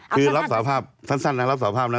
คือรับสาภาพสั้นนะรับสาภาพนะ